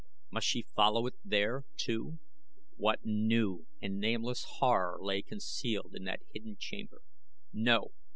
Must she follow it there, too? What new and nameless horror lay concealed in that hidden chamber? No!